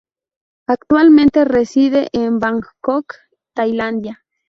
Actualmente reside en Bangkok, Tailandia.